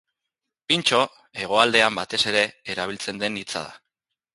Pintxo Hegoaldean, batez ere, erabiltzen den hitza da.